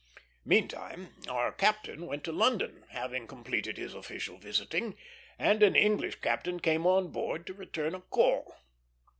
Meantime, our captain went to London, having completed his official visiting, and an English captain came on board to return a call.